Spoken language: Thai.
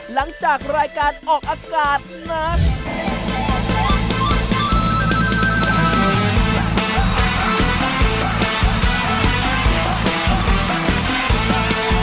หลังจากรายการออกอากาศนั้น